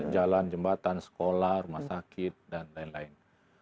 jalan jembatan sekolah rumah sakit dan lain lain